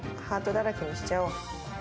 ハートだらけにしちゃおう。